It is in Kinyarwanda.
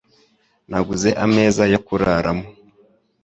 Naguze ameza yo kuraramo.